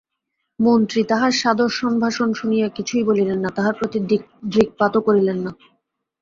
মন্ত্রী তাহার সাদর সম্ভাষণ শুনিয়া কিছুই বলিলেন না, তাহার প্রতি দৃকপাতও করিলেন না।